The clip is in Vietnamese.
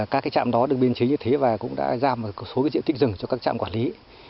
các trạm đó được biên chế như thế và cũng đã giao một số diện tích rừng cho các trạm quản lý